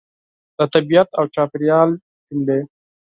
د طبیعت او چاپېریال جملې